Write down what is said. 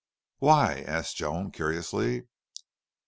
"Why?" asked Joan, curiously.